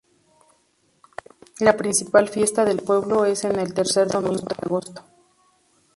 La principal fiesta del pueblo es en el tercer domingo de agosto.